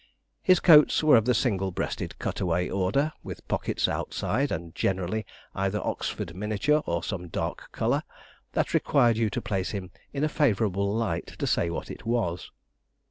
His coats were of the single breasted cut away order, with pockets outside, and generally either Oxford mixture or some dark colour, that required you to place him in a favourable light to say what it was.